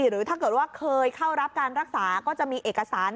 หรือถ้าเกิดว่าเคยเข้ารับการรักษาก็จะมีเอกสาร